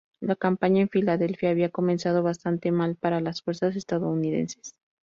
La campaña en Filadelfia había comenzado bastante mal para las fuerzas estadounidenses.